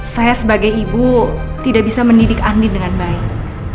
saya sebagai ibu tidak bisa mendidik andin dengan baik